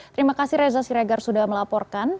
terima kasih reza siregar sudah melaporkan